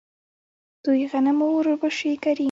دوی غنم او وربشې کري.